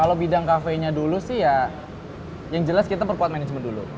kalau bidang kafe nya dulu sih ya yang jelas kita perkuat manajemen dulu